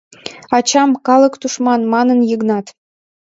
«Ачам — «калык тушман», — манын Йыгнат.